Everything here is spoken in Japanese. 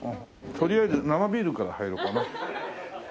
とりあえず生ビールから入ろうかな。